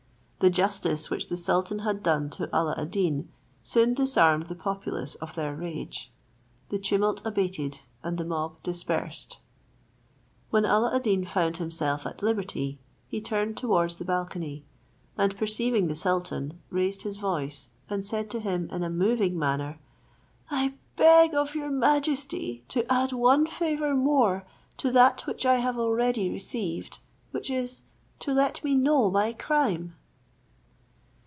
The justice which the sultan had done to Alla ad Deen soon disarmed the populace of their rage; the tumult abated, and the mob dispersed. When Alla ad Deen found himself at liberty, he turned towards the balcony, and perceiving the sultan, raised his voice, and said to him in a moving manner, "I beg of your majesty to add one favour more to that which I have already received, which is, to let me know my crime?"